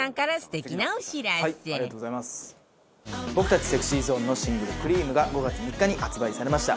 僕たちＳｅｘｙＺｏｎｅのシングル『Ｃｒｅａｍ』が５月３日に発売されました。